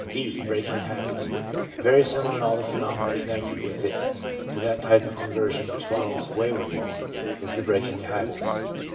(d) Breaking Habits. Very similar in all the phenomena connected with it to that type of conversion which follows waywardness, is the breaking of habits.